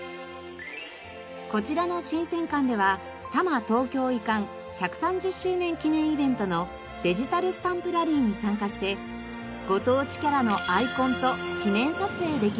こちらの新鮮館では多摩東京移管１３０周年記念イベントのデジタルスタンプラリーに参加してご当地キャラのアイコンと記念撮影できます。